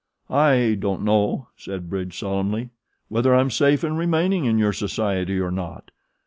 "I don't know," said Bridge, solemnly, "whether I'm safe in remaining in your society or not.